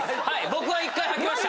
僕は１回穿きました！